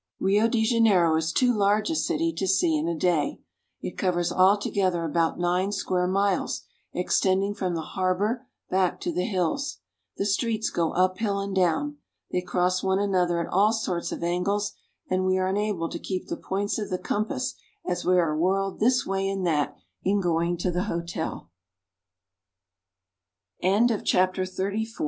Rio de Janeiro is too large a city to see in a day. It covers all together about nine square miles, extending from the harbor back to the hills. The streets go up hill and down. They cross one another at all sorts of angles, and we are unable to keep the points of the compass as we are whirled